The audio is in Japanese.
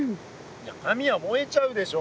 いや紙は燃えちゃうでしょ。